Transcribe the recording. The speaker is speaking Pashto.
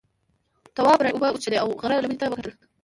تواب رڼې اوبه وڅښلې او غره لمنې ته یې وکتل.